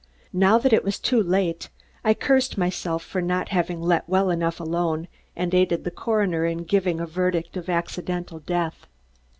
Now that it was too late, I cursed myself for not having let well enough alone and aided the coroner in giving a verdict of accidental death.